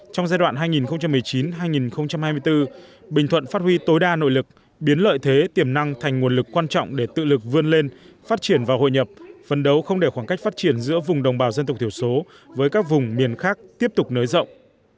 trong giai đoạn hai nghìn một mươi chín hai nghìn hai mươi bốn bình thuận phát huy tối đa nội lực biến lợi thế tiềm năng thành nguồn lực quan trọng để tự lực vươn lên phát triển và hội nhập phân đấu không để khoảng cách phát triển giữa vùng đồng bào dân tộc thiểu số với các vùng miền khác tiếp tục nới rộng